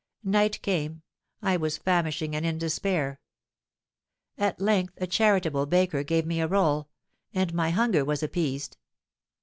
Night came—I was famishing and in despair. At length a charitable baker gave me a roll; and my hunger was appeased.